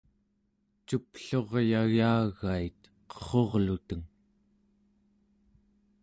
cupluryayagait qerrurluteng